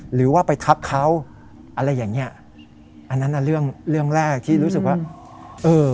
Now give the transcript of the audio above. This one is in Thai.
หรือว่าไปทักเขาอะไรอย่างเงี้ยอันนั้นน่ะเรื่องเรื่องแรกที่รู้สึกว่าเออ